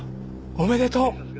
おめでとう！